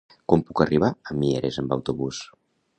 Com puc arribar a Mieres amb autobús?